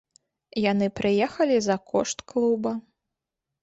Яны прыехалі за кошт клуба.